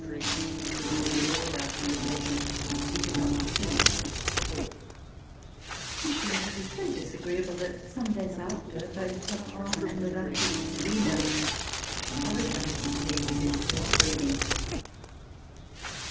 This was nearly all our conversation : he did not choose to talk. In short, he was so dis agreeable, that, some days after, both Talleyrand and the Duchess di Dino apologised to me for his ill breeding.